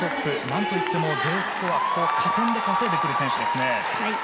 何といってもＤスコアを加点で稼いでくる選手です。